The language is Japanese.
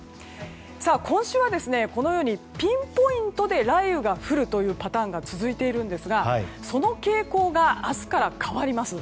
今週はこのようにピンポイントで雷雨が降るというパターンが続いているんですがその傾向が明日から変わります。